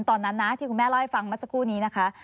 ตอนนั้นนะที่คุณแม่เล่าให้ฟังเมื่อสักครู่นี้นะคะ